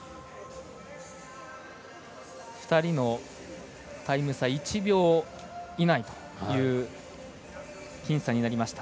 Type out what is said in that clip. ２人のタイム差、１秒以内という僅差になりました。